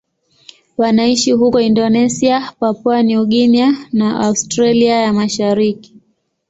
Wanaishi huko Indonesia, Papua New Guinea na Australia ya Mashariki.